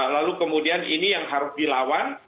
lalu kemudian ini yang harus dilawan